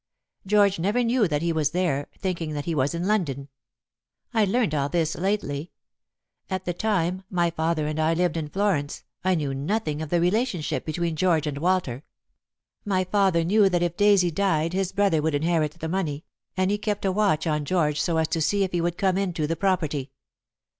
George never knew that he was there, thinking that he was in London. I learned all this lately. At the time my father and I lived in Florence I knew nothing of the relationship between George and Walter. My father knew that if Daisy died his brother would inherit the money, and he kept a watch on George so as to see if he would come into the property.